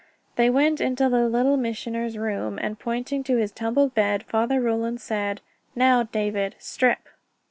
They went into the Little Missioner's room, and pointing to his tumbled bed, Father Roland said: "Now, David, strip!"